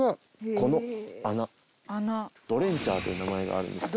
ドレンチャーという名前があるんですけど。